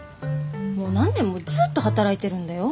もう何年もずっと働いてるんだよ。